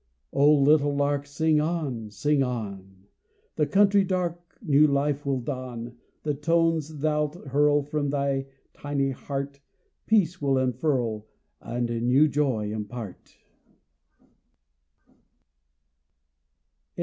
O little lark, sing on! sing on! The country dark new life will don. The tones thou'lt hurl from thy tiny heart Peace will unfurl and new joy impart.